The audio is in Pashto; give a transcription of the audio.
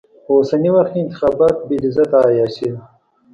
په اوسني وخت کې انتخابات بې لذته عياشي ده.